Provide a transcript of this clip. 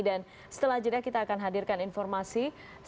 dan setelah itu kita akan hadirkan informasi